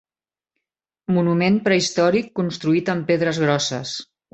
Monument prehistòric construït amb pedres grosses.